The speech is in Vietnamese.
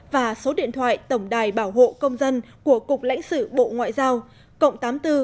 và số điện thoại tổng đài bảo hộ công dân của cục lãnh sự bộ ngoại giao cộng tám mươi bốn